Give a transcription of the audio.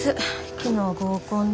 昨日合コンで。